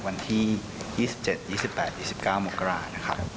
วันที่๒๗๒๘๒๙มกรานะครับ